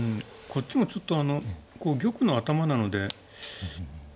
こっちもちょっとこう玉の頭なので。